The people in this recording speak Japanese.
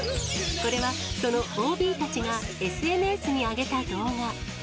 これは、そのＯＢたちがＳＮＳに上げた動画。